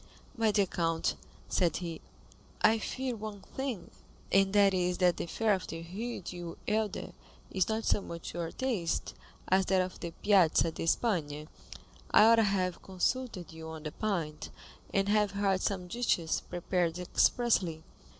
"My dear count," said he, "I fear one thing, and that is, that the fare of the Rue du Helder is not so much to your taste as that of the Piazza di Spagna. I ought to have consulted you on the point, and have had some dishes prepared expressly."